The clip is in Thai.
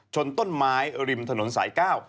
ชนต้นไม้ริมถนนสายเก้า